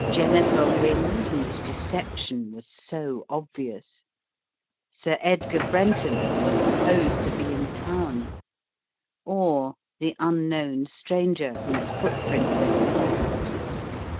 Jennifer Wynne, whose deception was so obvious; Sir Edgar Brenton, supposed to be in town; or the unknown stranger whose footprint they had found?